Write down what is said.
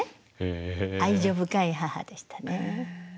愛情深い母でしたね。